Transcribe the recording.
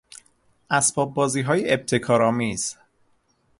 اسباببازیهای ابتکارآمیز